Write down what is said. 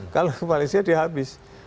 kalau malaysia dia habis